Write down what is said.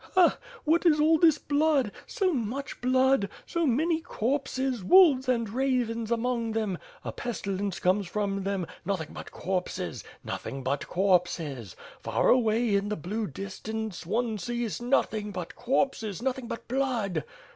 "Ha! What is all this blood? So much blood! So many corpses, wolves and ravens among them. A pestilence comes from them. Nothing but corpses! Nothing but corpses I Far away in the blue distance, one sees nothing but corpses, noth ing but blood."